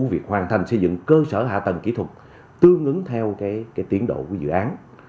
việc hoàn thành xây dựng cơ sở hạ tầng kỹ thuật tương ứng theo tiến độ của dự án